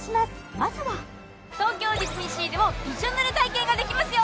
まずは東京ディズニーシーでもびしょ濡れ体験ができますよ